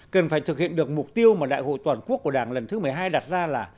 cần phải thực hiện được mục tiêu mà đại hội toàn quốc của đảng lần thứ một mươi hai đặt ra là